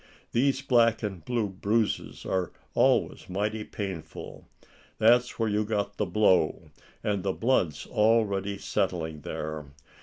These black and blue bruises are always mighty painful. That's where you got the blow, and the blood's already settling there.